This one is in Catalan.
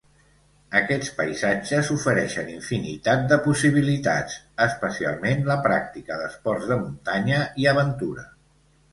Aquests paisatges ofereixen infinitat de possibilitats, especialment la pràctica d'esports de muntanya i aventura.